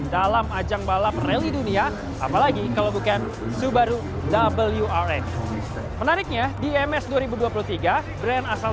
dalam ajang balap rally dunia apalagi kalau bukan subaru wrx menariknya di ims dua ribu dua puluh tiga brand asal